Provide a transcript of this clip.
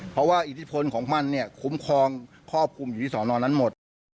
เพราะว่าอิทธิพลของมันเนี่ยคุ้มครองครอบคลุมอยู่ที่สอนอนนั้นหมด